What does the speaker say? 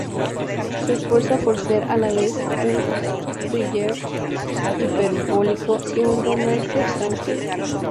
Se esfuerza por ser a la vez un thriller hiperbólico y un romance tranquilo.